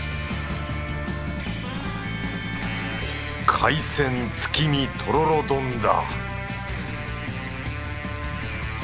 海鮮月見とろろ丼だ